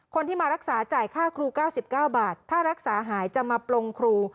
คนที่มารักษาจ่ายค่าครู๙๙บาทถ้ารักษาหายจะมาปลงครู